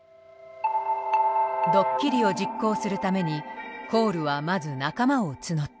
ドッキリを実行するためにコールはまず仲間を募った。